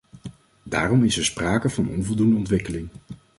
Daarom is er sprake van onvoldoende ontwikkeling.